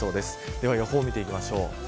では予報を見ていきましょう。